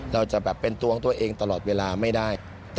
เราจะแบบเป็นตัวของตัวเองตลอดเวลาไม่ได้